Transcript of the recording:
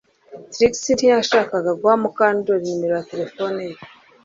Trix ntiyashakaga guha Mukandoli nimero ye ya terefone